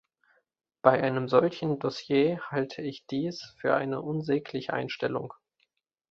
Bei einem solchen Dossier halte ich dies für eine unsägliche Einstellung.